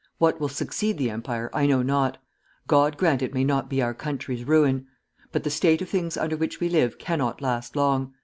What will succeed the Empire, I know not. God grant it may not be our country's ruin! But the state of things under which we live cannot last long.